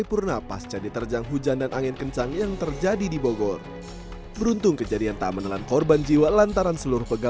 usai diterjang hujan angin hingga merusak atap dan plafon ruang paripurna